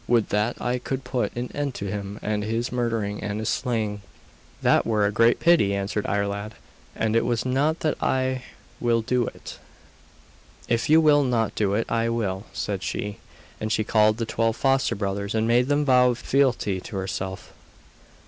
Would that I could put an end to him and his murdering and his slaying.' 'That were a great pity,' answered Iarlaid. 'And it is not I that will do it.' 'If you will not do it I will,' said she. And she called the twelve foster brothers and made them vow fealty to herself.